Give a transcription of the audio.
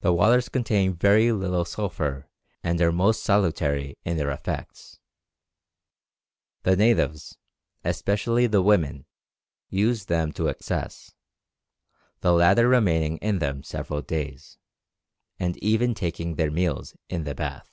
The waters contain very little sulphur and are most salutary in their effects. The natives, especially the women, use them to excess, the latter remaining in them several days, and even taking their meals in the bath.